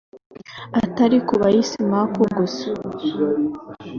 atari ku bayisimaku gusa